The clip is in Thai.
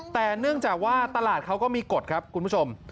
แต่เนื่องจากว่าตลาดเขาก็มีกฎครับคุณผู้ชม